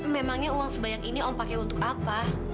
memangnya uang sebanyak ini om pakai untuk apa